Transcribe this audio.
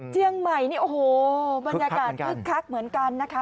เชียงใหม่นี่โอ้โหบรรยากาศคึกคักเหมือนกันนะคะ